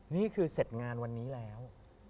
นี่คือเสร็จงานวันนี้แล้ว